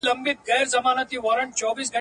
کله چې پېلوټ غږېږي سکرین کار نه کوي.